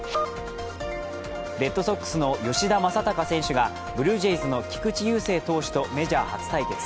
レッドソックスの吉田正尚選手がブルージェイズの菊池雄星投手とメジャー初対決。